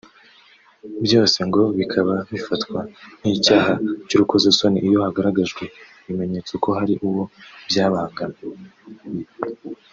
byose ngo bikaba bifatwa nk’icyaha cy’urukozasoni iyo hagaragajwe ibimenyetso ko hari uwo byabangamiye